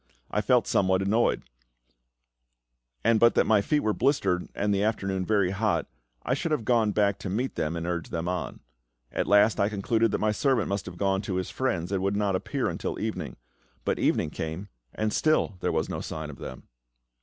I felt somewhat annoyed; and but that my feet were blistered, and the afternoon very hot, I should have gone back to meet them and urge them on. At last I concluded that my servant must have gone to his friend's, and would not appear until evening. But evening came, and still there was no sign of them.